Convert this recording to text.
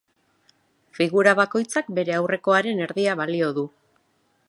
Figura bakoitzak bere aurrekoaren erdia balio du.